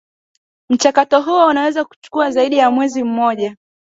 mchakato huo unaweza kuchukua zaidi ya mwezi mmoja